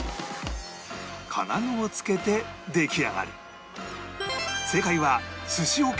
金具をつけて出来上がり